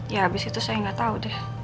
ya abis itu saya gak tau deh